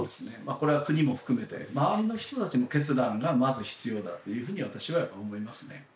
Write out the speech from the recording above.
これは国も含めて周りの人たちの決断がまず必要だというふうに私は思いますね。